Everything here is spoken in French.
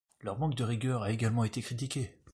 Leur manque de rigueur a également été critiqué.